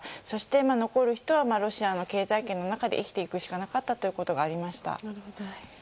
そして、残る人はロシアの経済圏の中で生きていくことしかできなかったというのがありました。